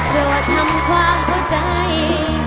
ฉันคงยอมทำความเข้าใจ